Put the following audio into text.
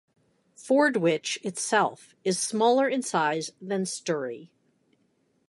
Fordwich itself is smaller in size than Sturry.